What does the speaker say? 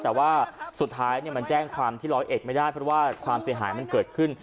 แต่ว่าสุดท้ายมันแจ้งความที่ร้อยเอ็ดไม่ได้เพราะว่าความเสียหายมันเกิดขึ้น